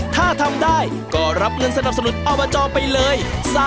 ถ้าทำได้ก็รับเงินสนับสนุนอบจไปเลย